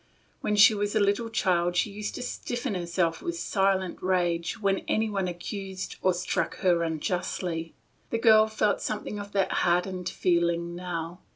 When she was a little child she used to stiffen herself with silent rage when anyone accused or struck her unjustly. The girl felt something of that hardened feeling now.